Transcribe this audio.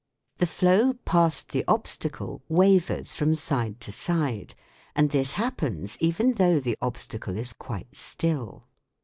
io8 THE WORLD OF SOUND The flow past the obstacle wavers from side to side, and this happens even though the obstacle is quite still.